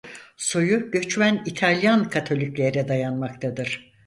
Soyu göçmen İtalyan Katoliklere dayanmaktadır.